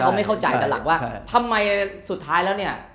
เขาไม่เข้าใจแต่หลังว่าทำไมสุดท้ายแล้วเนี่ย